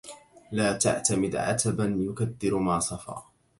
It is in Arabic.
لا تعتمد عتبا يكدر ما صفا